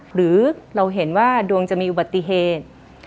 หรือเราเห็นว่าดวงจะมีอุบัติเหตุ